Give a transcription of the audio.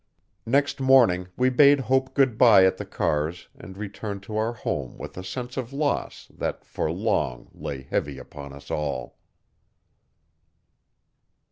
Next morning we bade Hope goodbye at the cars and returned to our home with a sense of loss that, for long, lay heavy upon us all.